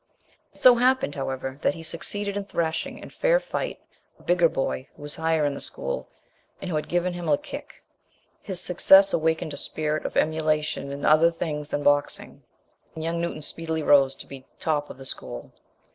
It so happened, however, that he succeeded in thrashing, in fair fight, a bigger boy who was higher in the school, and who had given him a kick. His success awakened a spirit of emulation in other things than boxing, and young Newton speedily rose to be top of the school.